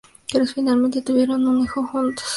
Finalmente tuvieron un hijo juntos.